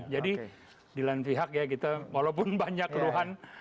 jadi di lain pihak ya kita walaupun banyak keluhan